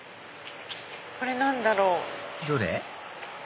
これ何だろう？どれ？